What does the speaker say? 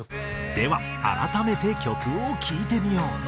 では改めて曲を聴いてみよう。